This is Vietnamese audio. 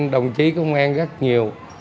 đồng chí công an rất nhiều